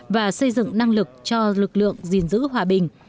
và xây dựng năng lực cho lực lượng gìn giữ hòa bình